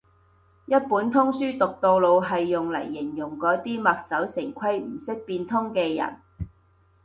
一本通書讀到老係用嚟形容嗰啲墨守成規唔識變通嘅人